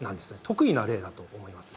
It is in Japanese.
特異な例だと思います。